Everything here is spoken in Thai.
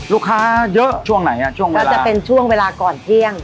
ลูกค้าเยอะช่วงไหนอ่ะช่วงนั้นก็จะเป็นช่วงเวลาก่อนเที่ยง